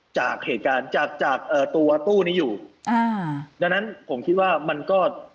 จากเหตุการณ์จากตัวตู้นี้อยู่ดังนั้นผมคิดว่ามันก็